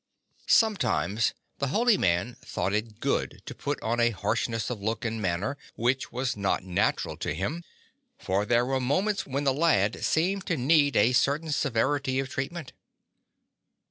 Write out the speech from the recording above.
Sometimes the holy man thought it good to put on a harshness of look and manner which was not natural to him, for there were moments when the lad seemed to need a cer tain severity of treatment.